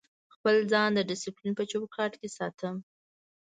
خپل ځان د ډیسپلین په چوکاټ کې ساتم.